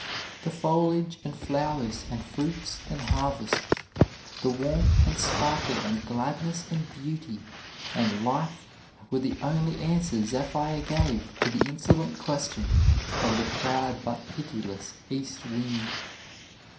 The foliage and flowers and fruits and harvests, the warmth and sparkle and gladness and beauty and life were the only answer Zephyr gave to the insolent question of the proud but pitiless East Wind.